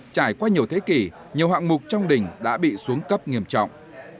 trải qua nhiều thế kỷ nhiều hạng mục trong đình đã bị xuống cấp nghiêm trọng